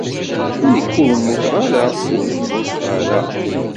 Nekk, ur mmuteɣ ara, ur mmuteɣ ara.